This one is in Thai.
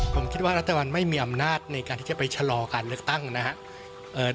ผมคิดว่ารัฐบาลไม่มีอำนาจในการที่จะไปชะลอการเลือกตั้งนะครับ